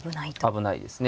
危ないですね。